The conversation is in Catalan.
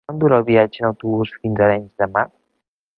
Quant dura el viatge en autobús fins a Arenys de Mar?